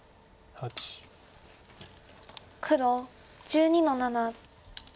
黒１２の七。